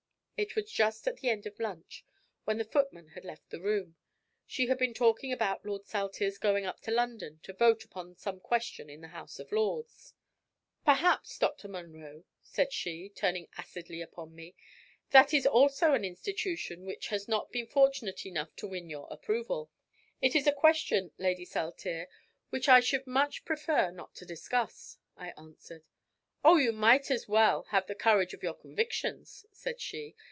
It was just at the end of lunch, when the footman had left the room. She had been talking about Lord Saltire's going up to London to vote upon some question in the House of Lords. "Perhaps, Dr. Munro," said she, turning acidly upon me, "that is also an institution which has not been fortunate enough to win your approval." "It is a question, Lady Saltire, which I should much prefer not to discuss," I answered. "Oh, you might just as well have the courage of your convictions," said she.